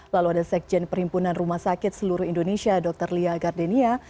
lalu ada sekjen perhimpunan rumah sakit seluruh indonesia dr lia gardenia